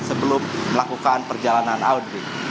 sebelum melakukan perjalanan audit